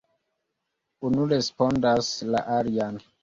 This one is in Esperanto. Unu respondas la alian.